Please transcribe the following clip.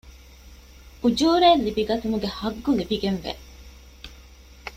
އުޖޫރައެއް ލިބިގަތުމުގެ ޙައްޤު ލިބިގެން ވޭ